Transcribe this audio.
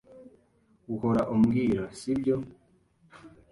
Uhora umbwira, sibyo?